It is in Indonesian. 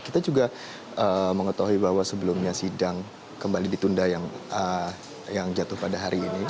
kita juga mengetahui bahwa sebelumnya sidang kembali ditunda yang jatuh pada hari ini